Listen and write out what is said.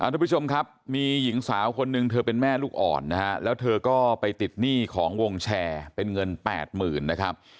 ทุกผู้ชมครับมีหญิงสาวคนหนึ่งเธอเป็นแม่ลูกอ่อนนะฮะแล้วเธอก็ไปติดหนี้ของวงแชร์เป็นเงินแปดหมื่นนะครับ